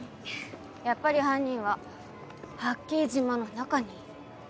やっぱり犯人は八景島の中にいる。